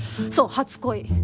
そう初恋。